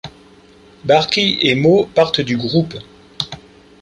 Barke et Maw partent du groupe.